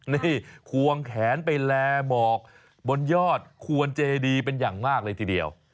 นี่ควงแขนไปแลหมอกบนยอดควรเจดีเป็นอย่างมากเลยทีเดียว